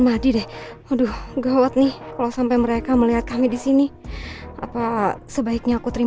tante zara harusnya tante zara kenalin aku kenapa kayak nggak kenal ya